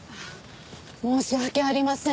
申し訳ありません。